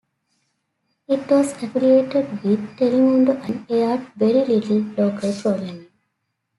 It was affiliated with Telemundo and aired very little local programming.